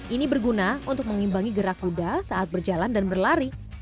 ini berguna untuk mengimbangi gerak kuda saat berjalan dan berlari